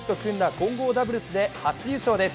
混合ダブルスで初優勝です。